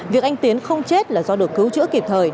việc anh tiến không chết là do được cứu chữa kịp thời